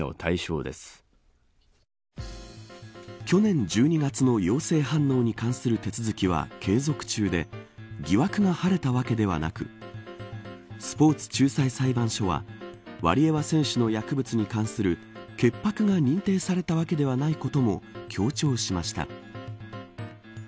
去年１２月の陽性反応に関する手続きは継続中で疑惑が晴れたわけではなくスポーツ仲裁裁判所はワリエワ選手の薬物に関する潔白が認定されたわけではないことも強調しました。